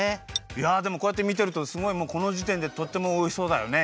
いやでもこうやってみてるとすごいもうこのじてんでとってもおいしそうだよね。